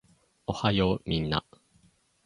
おはようみんな